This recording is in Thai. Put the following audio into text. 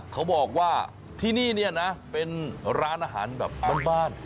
เขาบอกว่าที่นี่เนี่ยนะเป็นร้านอาหารแบบบ้าน